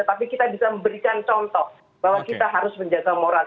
tapi kita bisa memberikan contoh bahwa kita harus menjaga moral